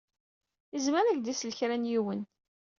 Izmer ad ak-d-isel kra n yiwen.